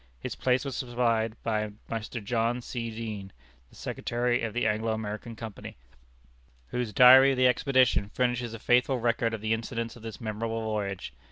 His place was supplied by Mr. John C. Deane, the Secretary of the Anglo American Company, whose "Diary of the Expedition" furnishes a faithful record of the incidents of this memorable voyage.